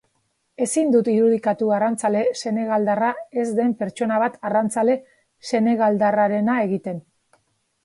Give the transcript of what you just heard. Ezin dut irudikatu arrantzale senegaldarra ez den pertsona bat arrantzale senegaldarrarena egiten.